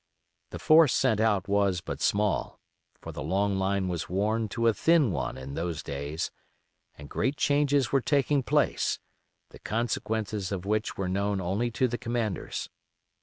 The force sent out was but small; for the long line was worn to a thin one in those days, and great changes were taking place, the consequences of which were known only to the commanders.